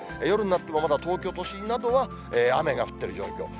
夜になってもまだ東京都心などは、雨が降ってる状況。